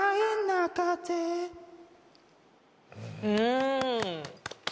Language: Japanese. うん。